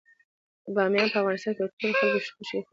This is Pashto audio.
بامیان په افغانستان کې د ټولو خلکو د خوښې ځای دی.